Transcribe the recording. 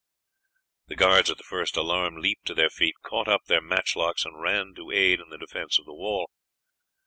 The guards at the first alarm leaped to their feet, caught up their matchlocks, and ran to aid in the defense of the wall.